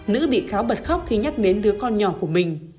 nữ bị cáo bật khóc khi nhắc đến đứa con nhỏ của mình